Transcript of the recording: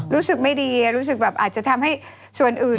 รู้สึกไม่ดีรู้สึกแบบอาจจะทำให้ส่วนอื่น